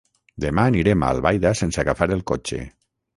Demà anirem a Albaida sense agafar el cotxe.